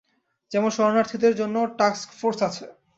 যেমন শরণার্থীদের জন্য টাস্কফোর্স আছে।